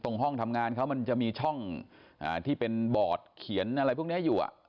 ห้องทำงานเขามันจะมีช่องที่เป็นบอร์ดเขียนอะไรพวกนี้อยู่